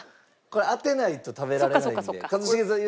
これ当てないと食べられないんで。